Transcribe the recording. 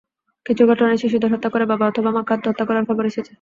কিছু ঘটনায় শিশুদের হত্যা করে বাবা অথবা মাকে আত্মহত্যা করার খবর এসেছে।